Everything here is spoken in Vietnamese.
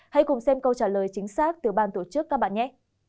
hãy cùng xem câu trả lời chính xác từ ban tổ chức các bạn nhé